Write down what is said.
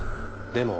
でも。